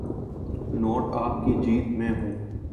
Note آپ کی جیب میں ہوں۔